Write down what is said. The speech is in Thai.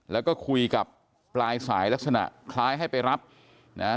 แล้วก็คุยกับปลายสายลักษณะคล้ายให้ไปรับนะฮะ